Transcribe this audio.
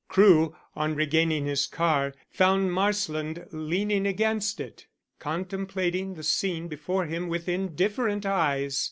Crewe, on regaining his car, found Marsland leaning against it, contemplating the scene before him with indifferent eyes.